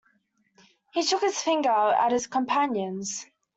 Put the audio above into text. He shook his finger at his companions.